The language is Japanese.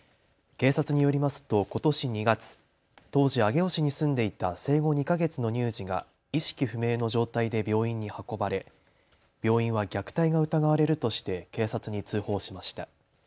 警察によりますと、ことし２月、当時上尾市に住んでいた生後２か月の乳児が意識不明の状態で病院に運ばれ病院は虐待が疑われるとして警察に通報しました。